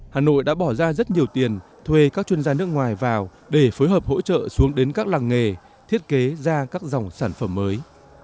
hà nội đã bỏ ra rất nhiều tiền thuê các chuyên gia nước ngoài vào để phối hợp hỗ trợ xuống đến các làng nghề thiết kế ra các dòng sản phẩm mới